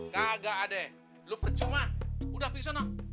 gak ada lo kecuma udah pingsan pak